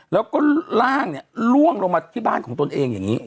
แล้วก็ร่างเนี่ยล่วงลงมาที่บ้านของตนเองอย่างนี้